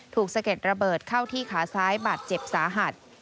สะเก็ดระเบิดเข้าที่ขาซ้ายบาดเจ็บสาหัส